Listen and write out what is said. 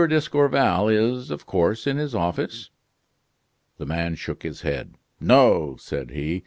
d'Escorval is, of course, in his office?" The man shook his head. "No," said he, "M.